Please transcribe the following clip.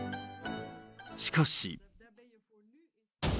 しかし。